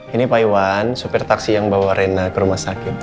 ini pak iwan supir taksi yang bawa rena ke rumah sakit